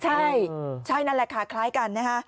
ใช่ใช่นั่นแหละค่ะคล้ายกันนะฮะ